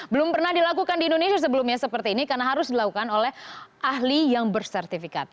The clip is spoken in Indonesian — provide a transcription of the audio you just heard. belum pernah dilakukan di indonesia sebelumnya seperti ini karena harus dilakukan oleh ahli yang bersertifikat